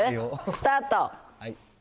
スタート。